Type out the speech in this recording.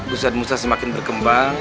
ustadz musa semakin berkembang